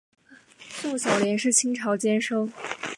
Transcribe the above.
宋小濂是清朝监生。